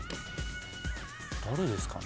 誰ですかね。